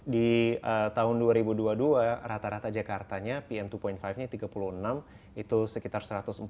di tahun dua ribu dua puluh dua rata rata jakartanya pm dua lima nya tiga puluh enam itu sekitar satu ratus empat puluh empat satu ratus empat puluh enam